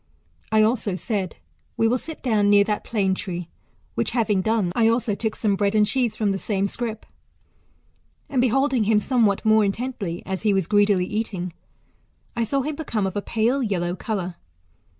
1 also said. We will sit down near thslt plane tree ; which having done, I also took some bread and cheese from the same scrip. And beholdifg him somewhat more intently, as he was greedily eating, I saw him become of a pale yellow colour.